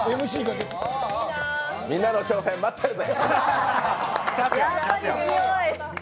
みんなの挑戦待ってるぜ！